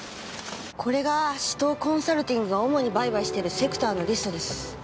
これが紫藤コンサルティングが主に売買しているセクターのリストです。